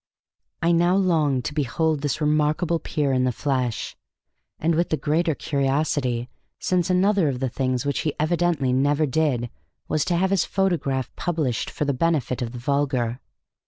I now longed to behold this remarkable peer, in the flesh, and with the greater curiosity since another of the things which he evidently never did was to have his photograph published for the benefit of the vulgar.